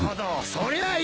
そりゃあいい！